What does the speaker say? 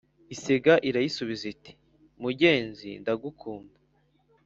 ” isega irayisubiza iti ” mugenzi ndagukunda